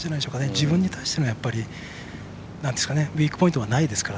自分に対してのウィークポイントがないですから。